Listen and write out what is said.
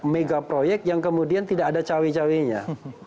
megaproyek yang kemudian tidak ada cawe cawe nya